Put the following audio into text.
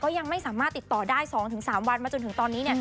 ยังไม่สามารถติดต่อได้๒๓วันมาจนถึงตอนนี้